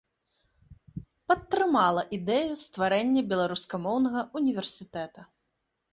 Падтрымала ідэю стварэння беларускамоўнага ўніверсітэта.